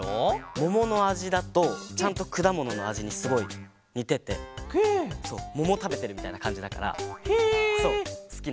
もものあじだとちゃんとくだもののあじにすごいにててももたべてるみたいなかんじだからすきなんだ。